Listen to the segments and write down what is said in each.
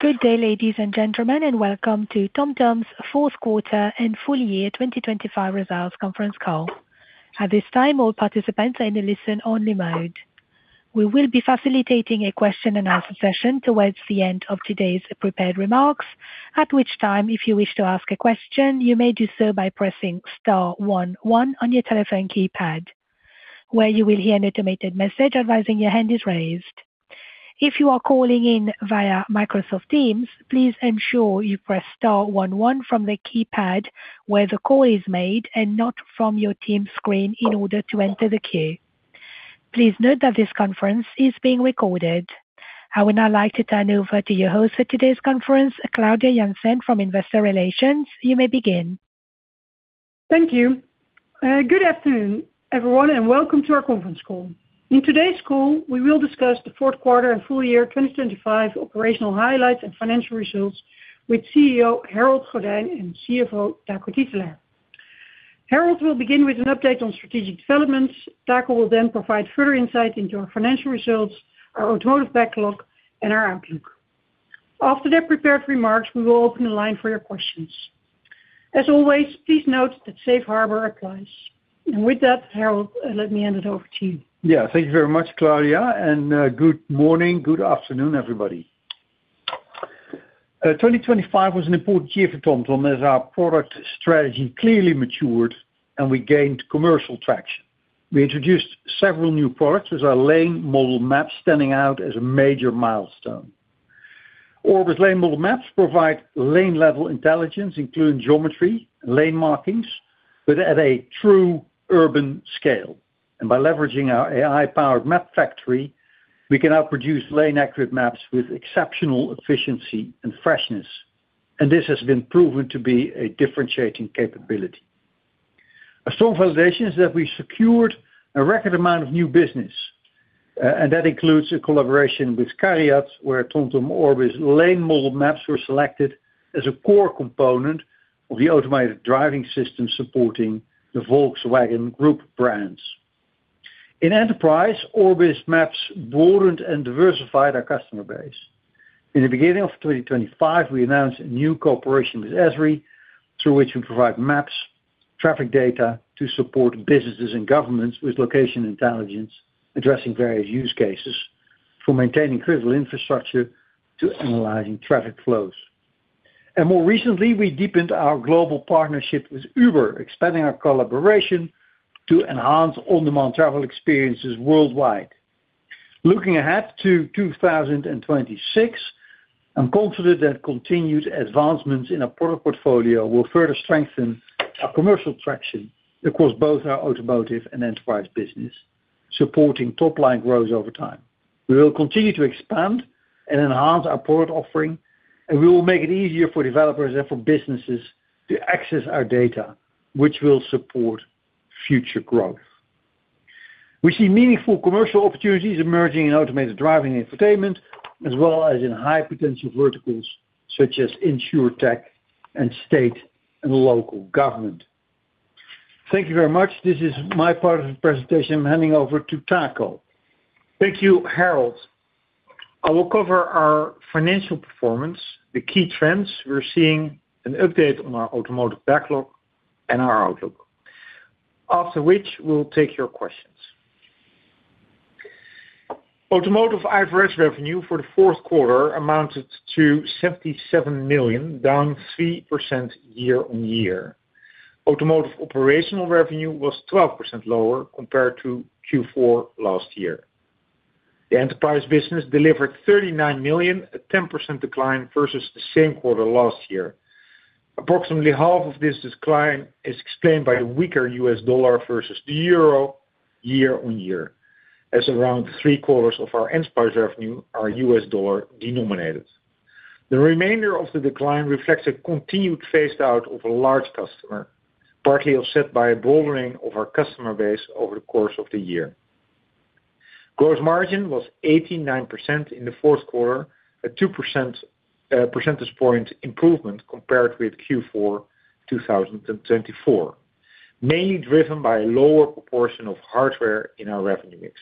Good day, ladies and gentlemen, and welcome to TomTom's fourth quarter and full year 2025 results conference call. At this time, all participants are in a listen-only mode. We will be facilitating a question and answer session towards the end of today's prepared remarks, at which time if you wish to ask a question you may do so by pressing star one one on your telephone keypad, where you will hear an automated message advising that your hand is raised. If you are calling in via Microsoft Teams, please ensure you press star one one from the keypad where the call is made and not from your Teams screen in order to enter the queue. Please note that this conference is being recorded. I would now like to turn over to your host for today's conference, Claudia Janssen from Investor Relations. You may begin. Thank you. Good afternoon, everyone, and welcome to our conference call. In today's call, we will discuss the fourth quarter and full year 2025 operational highlights and financial results with CEO Harold Goddijn and CFO Taco Titulaer. Harold will begin with an update on strategic developments. Taco will then provide further insight into our financial results, our automotive backlog, and our outlook. After their prepared remarks, we will open the line for your questions. As always, please note that Safe Harbor applies. And with that, Harold, let me hand it over to you. Yeah. Thank you very much, Claudia. Good morning, good afternoon, everybody. 2025 was an important year for TomTom as our product strategy clearly matured and we gained commercial traction. We introduced several new products, with our lane model maps standing out as a major milestone. Orbis's lane model maps provide lane-level intelligence, including geometry and lane markings, but at a true urban scale. And by leveraging our AI-powered Map Factory, we can now produce lane-accurate maps with exceptional efficiency and freshness, and this has been proven to be a differentiating capability. A strong validation is that we secured a record amount of new business, and that includes a collaboration with CARIAD, where TomTom Orbis's lane model maps were selected as a core component of the automated driving system supporting the Volkswagen Group brands. In enterprise, Orbis's maps broadened and diversified our customer base. In the beginning of 2025, we announced a new cooperation with Esri, through which we provide maps and traffic data to support businesses and governments with location intelligence, addressing various use cases from maintaining critical infrastructure to analyzing traffic flows. More recently, we deepened our global partnership with Uber, expanding our collaboration to enhance on-demand travel experiences worldwide. Looking ahead to 2026, I'm confident that continued advancements in our product portfolio will further strengthen our commercial traction across both our automotive and enterprise business, supporting top-line growth over time. We will continue to expand and enhance our product offering, and we will make it easier for developers and for businesses to access our data, which will support future growth. We see meaningful commercial opportunities emerging in automated driving and infotainment, as well as in high-potential verticals such as insurtech, state, and local government. Thank you very much. This is my part of the presentation. I'm handing over to Taco. Thank you, Harold. I will cover our financial performance, the key trends we're seeing, an update on our automotive backlog, and our outlook, after which we'll take your questions. Automotive IFRS revenue for the fourth quarter amounted to 77 million, down 3% year-on-year. Automotive operational revenue was 12% lower compared to Q4 last year. The enterprise business delivered 39 million, a 10% decline versus the same quarter last year. Approximately half of this decline is explained by the weaker US dollar versus the euro year-on-year, as around three-quarters of our enterprise revenue are US dollar denominated. The remainder of the decline reflects a continued phased-out of a large customer, partly offset by a broadening of our customer base over the course of the year. Gross margin was 89% in the fourth quarter, a 2 percentage point improvement compared with Q4 2024, mainly driven by a lower proportion of hardware in our revenue mix.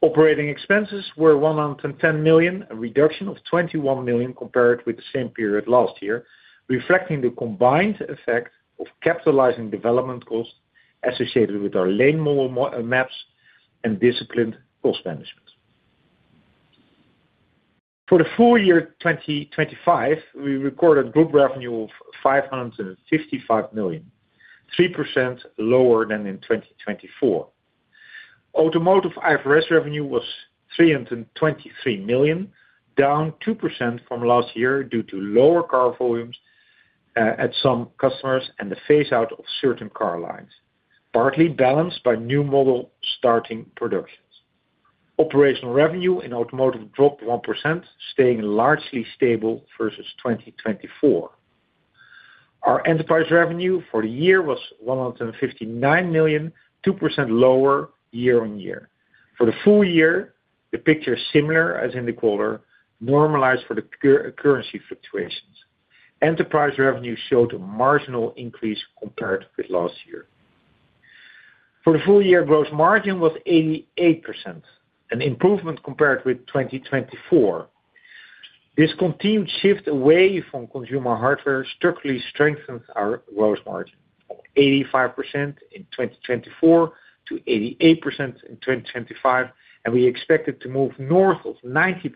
Operating expenses were 110 million, a reduction of 21 million compared with the same period last year, reflecting the combined effect of capitalizing development costs associated with our lane model maps and disciplined cost management. For the full year 2025, we recorded group revenue of 555 million, 3% lower than in 2024. Automotive IFRS revenue was 323 million, down 2% from last year due to lower car volumes at some customers and the phase-out of certain car lines, partly balanced by new model starting productions. Operational revenue in automotive dropped 1%, staying largely stable versus 2024. Our enterprise revenue for the year was 159 million, 2% lower year on year. For the full year, the picture is similar, as in the quarter, normalized for the currency fluctuations. Enterprise revenue showed a marginal increase compared with last year. For the full year, gross margin was 88%, an improvement compared with 2024. This continued shift away from consumer hardware starkly strengthens our gross margin, from 85% in 2024 to 88% in 2025, and we expect it to move north of 90%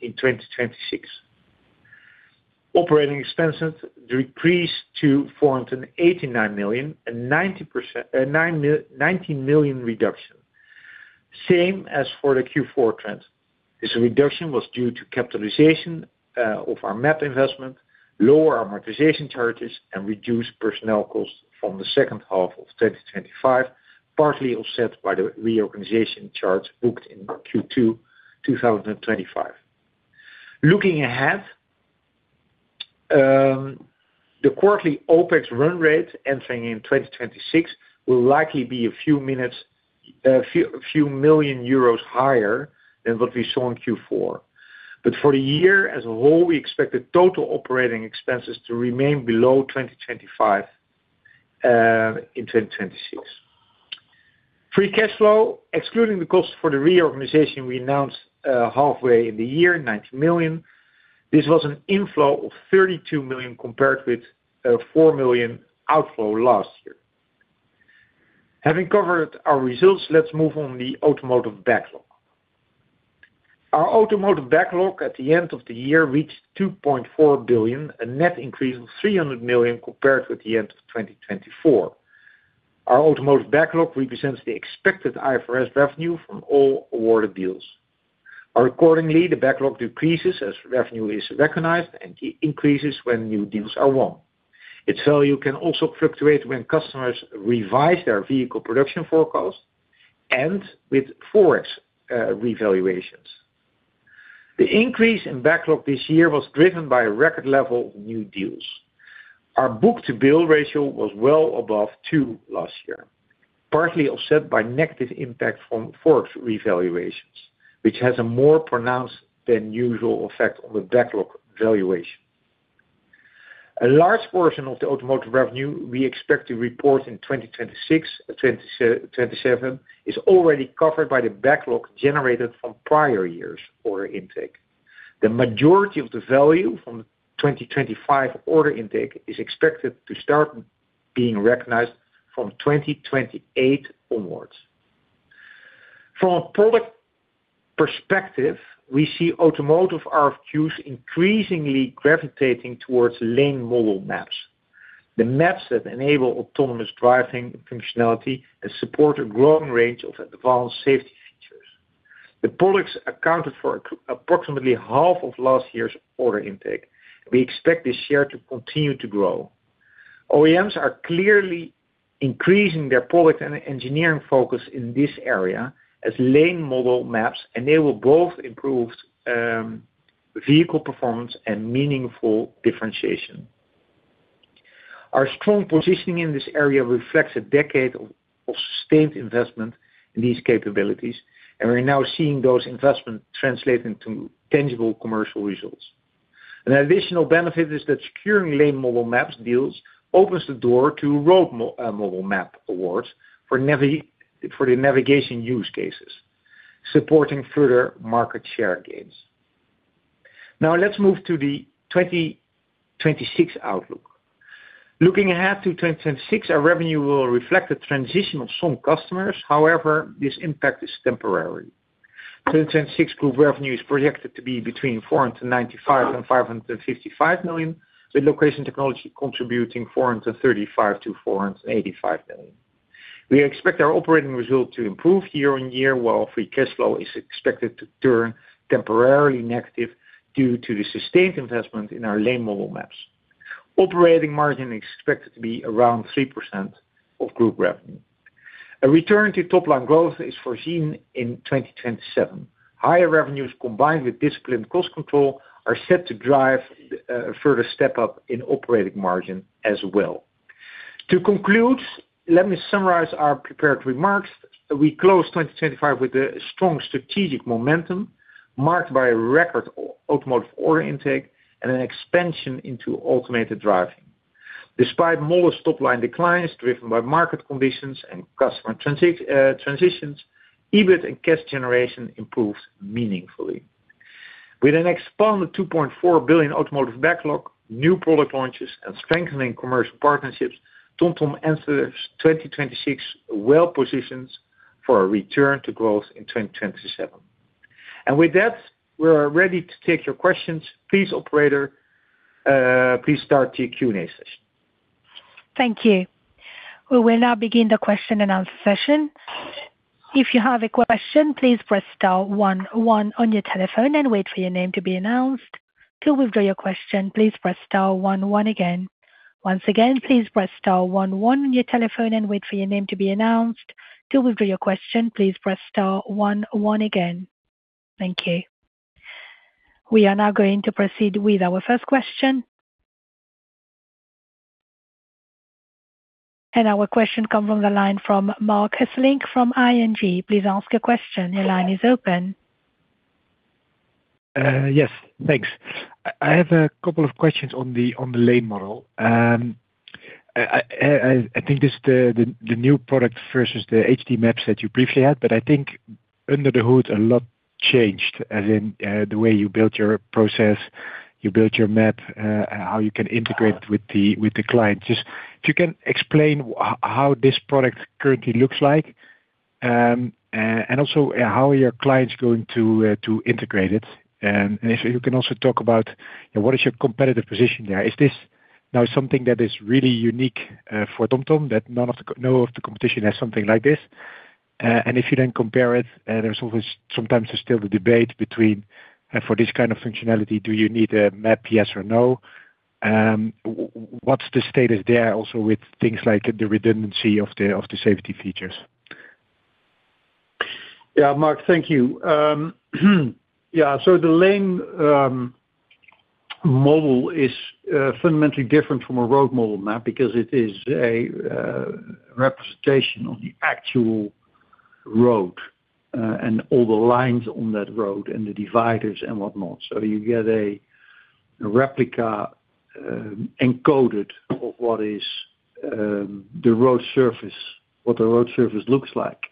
in 2026. Operating expenses decreased to 489 million, a 19 million reduction, same as for the Q4 trend. This reduction was due to capitalization of our map investment, lower amortization charges, and reduced personnel costs from the second half of 2025, partly offset by the reorganization charge booked in Q2 2025. Looking ahead, the quarterly OpEx run rate entering in 2026 will likely be a few million euros higher than what we saw in Q4. But for the year as a whole, we expect the total operating expenses to remain below 2025, in 2026. Free cash flow, excluding the costs for the reorganization we announced halfway in the year, 90 million. This was an inflow of 32 million compared with 4 million outflow last year. Having covered our results, let's move on to the automotive backlog. Our automotive backlog at the end of the year reached 2.4 billion, a net increase of 300 million compared with the end of 2024. Our automotive backlog represents the expected IFRS revenue from all awarded deals. Accordingly, the backlog decreases as revenue is recognized and increases when new deals are won. Its value can also fluctuate when customers revise their vehicle production forecasts and with forex revaluations. The increase in backlog this year was driven by a record level of new deals. Our book-to-bill ratio was well above two last year, partly offset by negative impact from forex revaluations, which has a more pronounced than usual effect on the backlog valuation. A large portion of the automotive revenue we expect to report in 2026, 2027, is already covered by the backlog generated from prior years' order intake. The majority of the value from 2025 order intake is expected to start being recognized from 2028 onwards. From a product perspective, we see automotive RFQs increasingly gravitating towards lane model maps. The maps that enable autonomous driving functionality and support a growing range of advanced safety features. The products accounted for approximately half of last year's order intake, and we expect this share to continue to grow. OEMs are clearly increasing their product and engineering focus in this area as lane model maps enable both improved vehicle performance and meaningful differentiation. Our strong positioning in this area reflects a decade of sustained investment in these capabilities, and we're now seeing those investments translate into tangible commercial results. An additional benefit is that securing lane model maps deals opens the door to road model map awards for the navigation use cases, supporting further market share gains. Now, let's move to the 2026 outlook. Looking ahead to 2026, our revenue will reflect the transition of some customers. However, this impact is temporary. 2026 group revenue is projected to be between 495 million and 555 million, with location technology contributing 435 million-485 million. We expect our operating result to improve year-on-year, while free cash flow is expected to turn temporarily negative due to the sustained investment in our lane model maps. Operating margin is expected to be around 3% of group revenue. A return to top-line growth is foreseen in 2027. Higher revenues combined with disciplined cost control are set to drive a further step up in operating margin as well. To conclude, let me summarize our prepared remarks. We closed 2025 with a strong strategic momentum marked by a record automotive order intake and an expansion into automated driving. Despite modest top-line declines driven by market conditions and customer transitions, EBIT and cash generation improved meaningfully. With an exceptional 2.4 billion automotive backlog, new product launches, and strengthening commercial partnerships, TomTom enters 2026 well-positioned for a return to growth in 2027. With that, we're ready to take your questions. Please, operator, please start the Q&A session. Thank you. Well, we'll now begin the question and answer session. If you have a question, please press star one one on your telephone and wait for your name to be announced. To withdraw your question, please press star one one again. Once again, please press star one one on your telephone and wait for your name to be announced. To withdraw your question, please press star one one again. Thank you. We are now going to proceed with our first question. Our question comes from the line from Marc Hesselink from ING. Please ask your question. Your line is open. Yes. Thanks. I have a couple of questions on the lane model. I think this is the new product versus the HD Maps that you previously had, but I think under the hood, a lot changed, as in, the way you built your process, you built your map, how you can integrate it with the client. Just if you can explain how this product currently looks like, and also, yeah, how are your clients going to integrate it. And if you can also talk about, yeah, what is your competitive position there? Is this now something that is really unique, for TomTom, that none of the competition has something like this? And if you then compare it, there's always sometimes the debate between, for this kind of functionality, do you need a map? Yes or no? What's the status there also with things like the redundancy of the safety features? Yeah, Marc, thank you. Yeah, so the lane model is fundamentally different from a road model map because it is a representation of the actual road, and all the lines on that road and the dividers and whatnot. So you get a replica, encoded, of what the road surface looks like.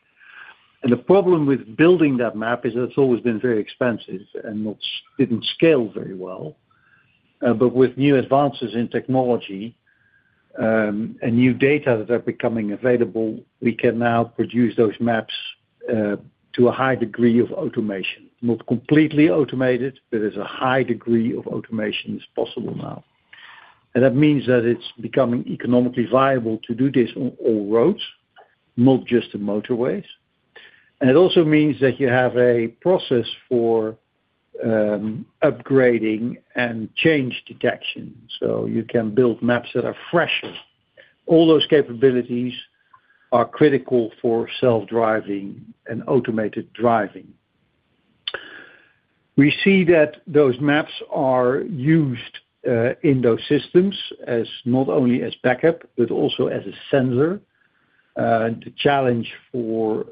And the problem with building that map is that it's always been very expensive and it didn't scale very well. But with new advances in technology, and new data that are becoming available, we can now produce those maps to a high degree of automation. Not completely automated, but there's a high degree of automation that's possible now. And that means that it's becoming economically viable to do this on all roads, not just the motorways. And it also means that you have a process for upgrading and change detection, so you can build maps that are fresher. All those capabilities are critical for self-driving and automated driving. We see that those maps are used in those systems as not only as backup but also as a sensor. The challenge for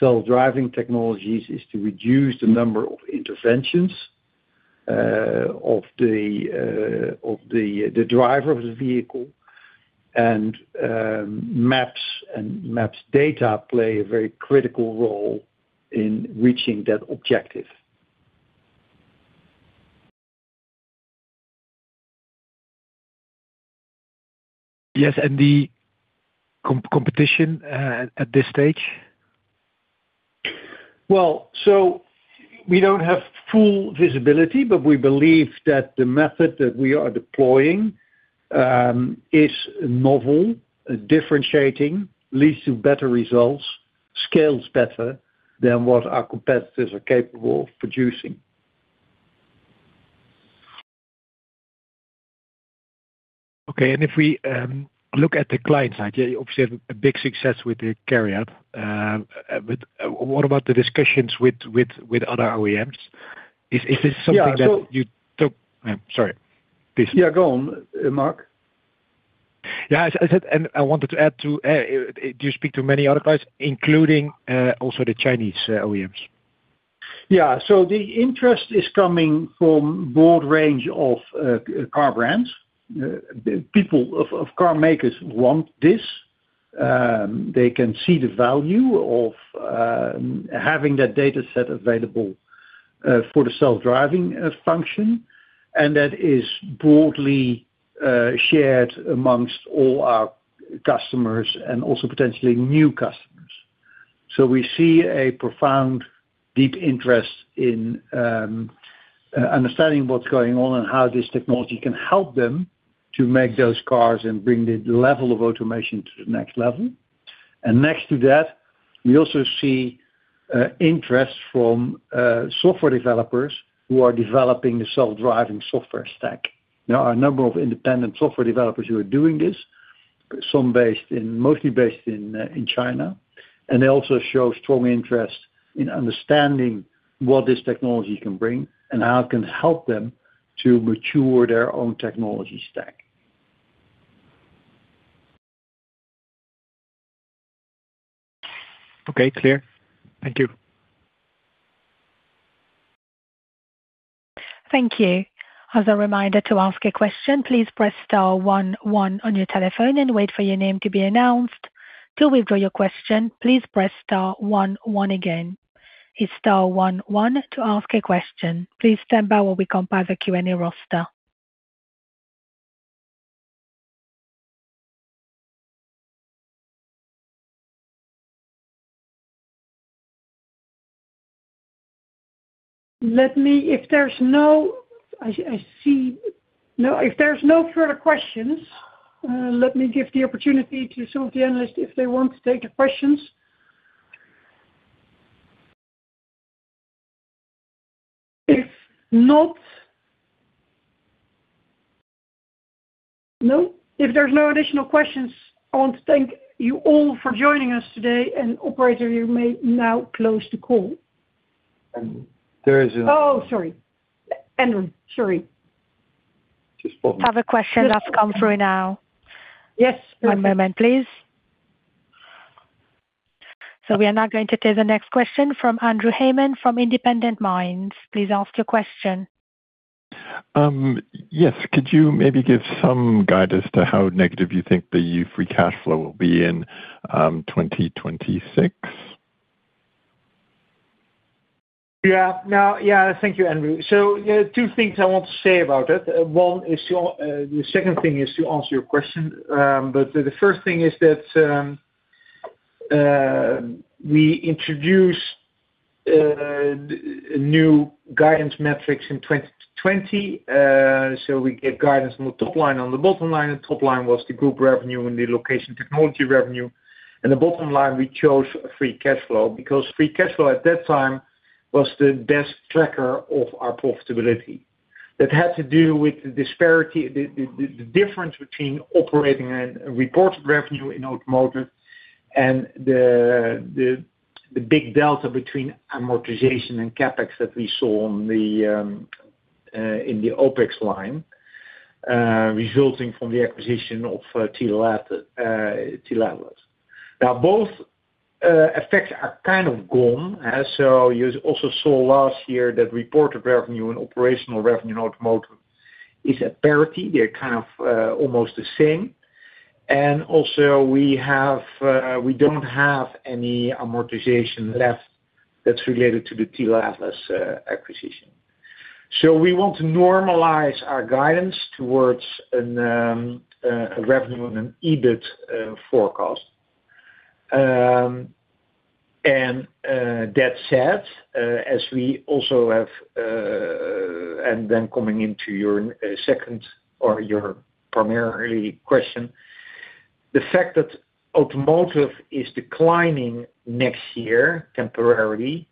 self-driving technologies is to reduce the number of interventions of the driver of the vehicle. And maps and maps data play a very critical role in reaching that objective. Yes. And the competition, at this stage? Well, so we don't have full visibility, but we believe that the method that we are deploying is novel, differentiating, leads to better results, scales better than what our competitors are capable of producing. Okay. And if we look at the client side, yeah, you obviously have a big success with the CARIAD. But what about the discussions with other OEMs? Is this something that you took? Yeah. I'm sorry. Please. Yeah, go on, Marc. Yeah. I said and I wanted to add to, do you speak to many other clients, including, also the Chinese OEMs? Yeah. So the interest is coming from a broad range of car brands. The people of car makers want this. They can see the value of having that dataset available for the self-driving function. And that is broadly shared amongst all our customers and also potentially new customers. So we see a profound deep interest in understanding what's going on and how this technology can help them to make those cars and bring the level of automation to the next level. And next to that, we also see interest from software developers who are developing the self-driving software stack. There are a number of independent software developers who are doing this, some based mostly in China. And they also show strong interest in understanding what this technology can bring and how it can help them to mature their own technology stack. Okay. Clear. Thank you. Thank you. As a reminder to ask a question, please press star one one on your telephone and wait for your name to be announced. To withdraw your question, please press star one one again. It's star one one to ask a question. Please stand by while we compile the Q&A roster. If there's no further questions, let me give the opportunity to some of the analysts if they want to take the questions. If not, no? If there's no additional questions, I want to thank you all for joining us today. Operator, you may now close the call. There is a. Oh, sorry. Andrew, sorry. Just a moment. I have a question that's come through now. Yes, please. One moment, please. So we are now going to take the next question from Andrew Hayman from Independent Minds. Please ask your question. Yes. Could you maybe give some guidance to how negative you think the EUR free cash flow will be in 2026? Yeah. Now, yeah, thank you, Andrew. So, yeah, two things I want to say about it. One is, the second thing is to answer your question, but the first thing is that we introduced new guidance metrics in 2020. So we get guidance on the top line and the bottom line. The top line was the group revenue and the location technology revenue. And the bottom line, we chose free cash flow because free cash flow at that time was the best tracker of our profitability. That had to do with the disparity, the difference between operating and reported revenue in automotive and the big delta between amortization and CapEx that we saw on the in the OpEx line, resulting from the acquisition of Tele Atlas. Now both effects are kind of gone, so you also saw last year that reported revenue and operational revenue in automotive is a parity. They're kind of almost the same. And also we don't have any amortization left that's related to the Tele Atlas acquisition. So we want to normalize our guidance towards an a revenue and an EBIT forecast. And that said, as we also have and then coming into your second or your primarily question, the fact that automotive is declining next year temporarily,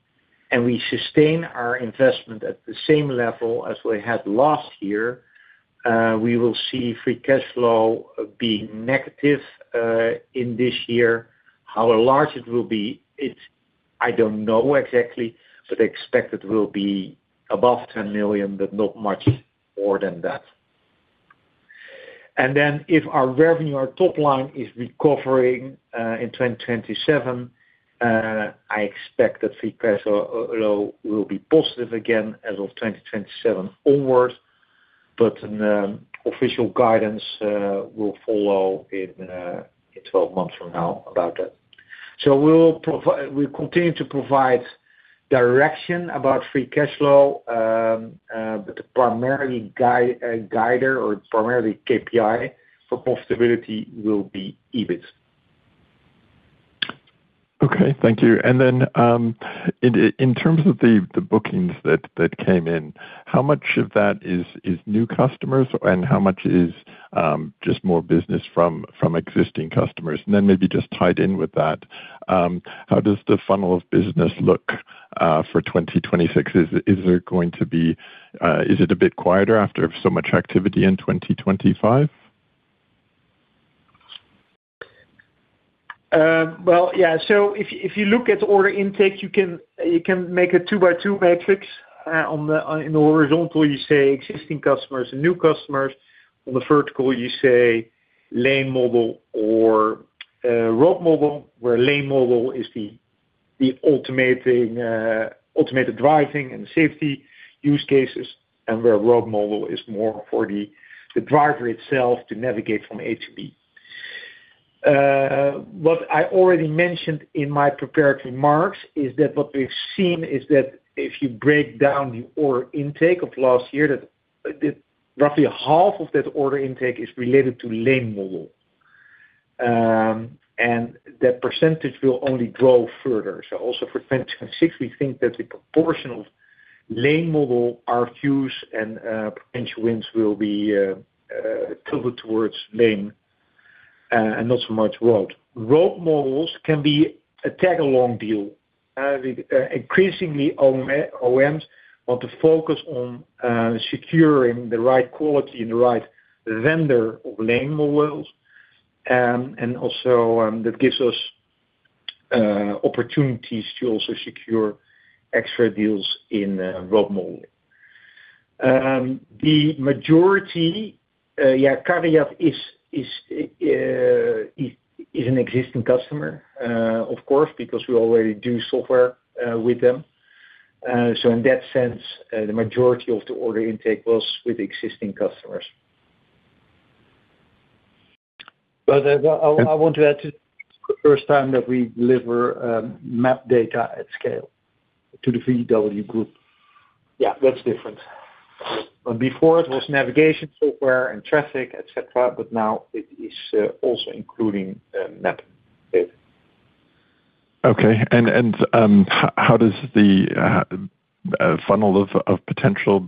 and we sustain our investment at the same level as we had last year, we will see free cash flow being negative in this year. How large it will be, it's I don't know exactly, but I expect it will be above 10 million, but not much more than that. And then, if our revenue or top line is recovering in 2027, I expect that free cash flow will be positive again as of 2027 onwards. But an official guidance will follow in 12 months from now about that. So we'll continue to provide direction about free cash flow, but the primary guide or primary KPI for profitability will be EBIT. Okay. Thank you. And then, in terms of the bookings that came in, how much of that is new customers, and how much is just more business from existing customers? And then maybe just tied in with that, how does the funnel of business look for 2026? Is there going to be? Is it a bit quieter after so much activity in 2025? Well, yeah. So if you look at order intake, you can make a two-by-two matrix. On the horizontal, you say existing customers and new customers. On the vertical, you say lane model or road model, where lane model is the automating automated driving and safety use cases, and where road model is more for the driver itself to navigate from A to B. What I already mentioned in my prepared remarks is that what we've seen is that if you break down the order intake of last year, that roughly half of that order intake is related to lane model. And that percentage will only grow further. So also for 2026, we think that the proportion of lane model RFQs and potential wins will be tilted towards lane model, and not so much road model. road models can be a tag-along deal. We increasingly OEMs want to focus on securing the right quality and the right vendor of lane models. Also, that gives us opportunities to also secure extra deals in road modeling. The majority, yeah, CARIAD is an existing customer, of course, because we already do software with them. So in that sense, the majority of the order intake was with existing customers. But well, I want to add it's the first time that we deliver map data at scale to the VW Group. Yeah, that's different. But before it was navigation software and traffic, etc., but now it is also including map data. Okay. How does the funnel of potential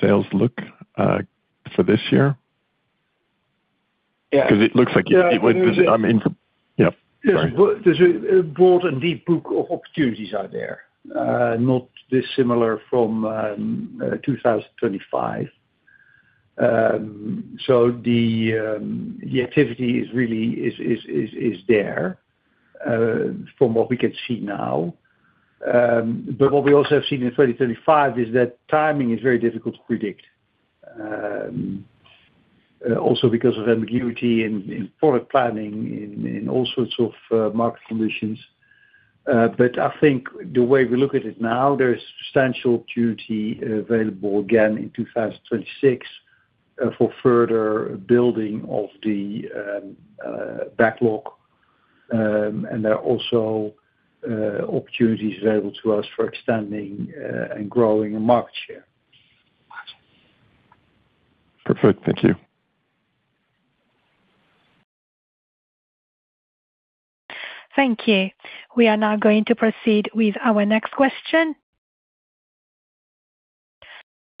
sales look for this year? Yeah. 'Cause it looks like it, it would does it? I mean, for yeah. Sorry. Yes. Well, there's a broad and deep book of opportunities out there, not dissimilar from 2025. So the activity really is there, from what we can see now. But what we also have seen in 2025 is that timing is very difficult to predict, also because of ambiguity in product planning, in all sorts of market conditions, but I think the way we look at it now, there's substantial opportunity available again in 2026, for further building of the backlog. And there are also opportunities available to us for extending and growing our market share. Perfect. Thank you. Thank you. We are now going to proceed with our next question.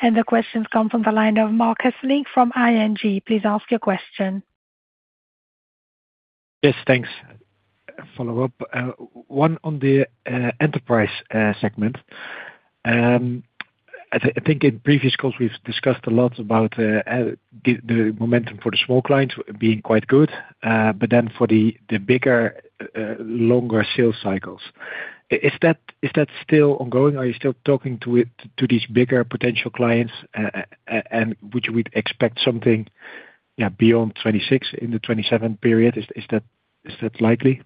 The questions come from the line of Marc Hesselink from ING. Please ask your question. Yes. Thanks. Follow-up one on the enterprise segment. I think in previous calls, we've discussed a lot about the momentum for the small clients being quite good, but then for the bigger, longer sales cycles. Is that still ongoing? Are you still talking to these bigger potential clients, and would you expect something, yeah, beyond 2026 in the 2027 period? Is that likely?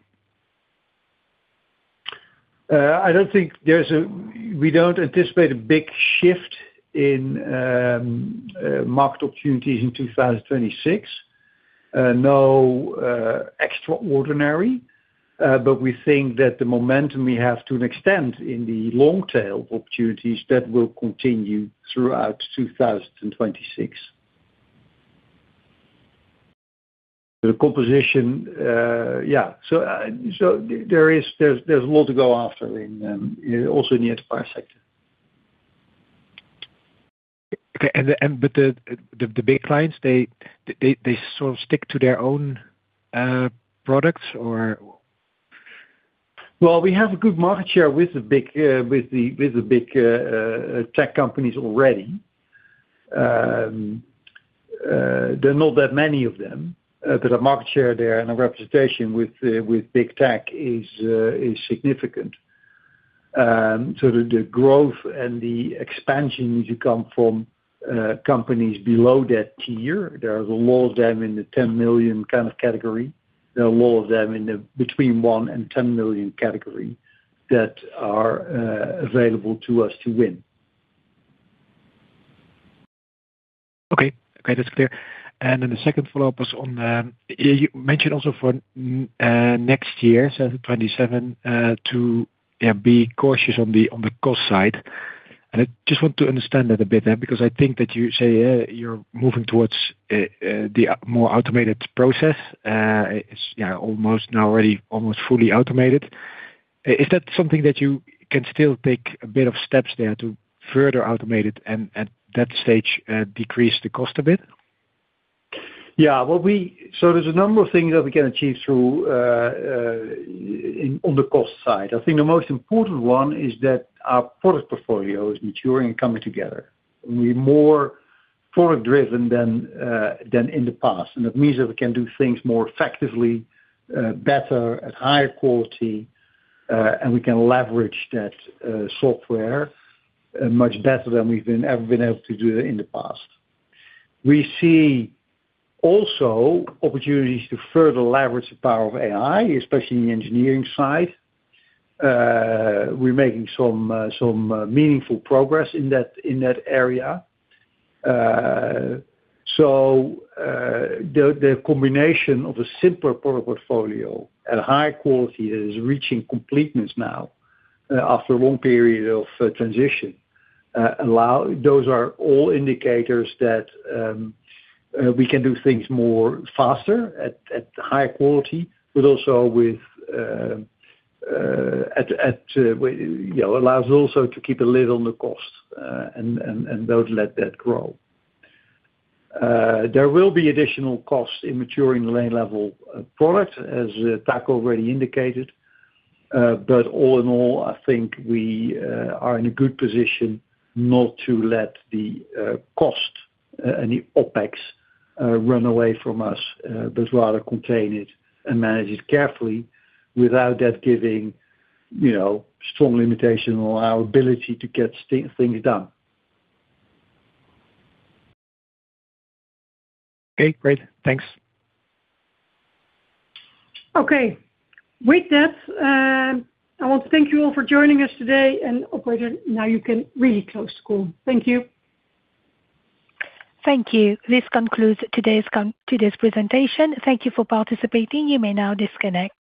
I don't think we don't anticipate a big shift in market opportunities in 2026. No extraordinary. But we think that the momentum we have to an extent in the long tail of opportunities that will continue throughout 2026. The composition, yeah. So there is a lot to go after in, also in the enterprise sector. Okay. But the big clients, they sort of stick to their own products or? Well, we have a good market share with the big tech companies already. There are not that many of them, but our market share there and our representation with big tech is significant. So the growth and the expansion needs to come from companies below that tier. There are a lot of them in the 10 million kind of category. There are a lot of them in the between 1 million and 10 million category that are available to us to win. Okay. Okay. That's clear. And then the second follow-up was on, you mentioned also for and next year, so 2027, to, yeah, be cautious on the cost side. And I just want to understand that a bit, then, because I think that you say, you're moving towards the more automated process. It's, yeah, almost now already almost fully automated. Is that something that you can still take a bit of steps there to further automate it and at that stage, decrease the cost a bit? Yeah. Well, so there's a number of things that we can achieve through in on the cost side. I think the most important one is that our product portfolio is maturing and coming together. We're more product-driven than in the past. And that means that we can do things more effectively, better, at higher quality, and we can leverage that software much better than we've ever been able to do in the past. We also see opportunities to further leverage the power of AI, especially in the engineering side. We're making some meaningful progress in that area. So, the combination of a simpler product portfolio at a higher quality that is reaching completeness now, after a long period of transition, allows. Those are all indicators that we can do things more faster at higher quality, but also with, you know, allows also to keep a lid on the cost, and don't let that grow. There will be additional cost in maturing the lane-level product, as Taco already indicated. But all in all, I think we are in a good position not to let the cost and the OpEx run away from us, but rather contain it and manage it carefully without that giving, you know, strong limitation on our ability to get things done. Okay. Great. Thanks. Okay. With that, I want to thank you all for joining us today. Operator, now you can really close the call. Thank you. Thank you. This concludes today's presentation. Thank you for participating. You may now disconnect.